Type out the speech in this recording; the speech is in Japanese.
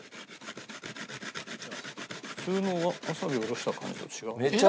普通のわさびおろした感じと違う。